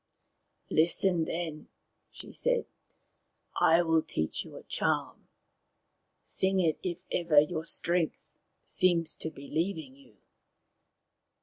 " Listen then," she said. " I will teach you a charm. Sing it if ever your strength seems to be leaving you.